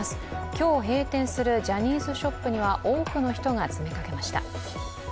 今日閉店するジャニーズショップには多くの人が詰めかけました。